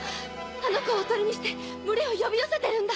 あの子をオトリにして群れを呼び寄せてるんだ。